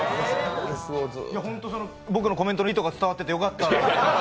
本当に僕のコメントの良さが伝わってて良かった。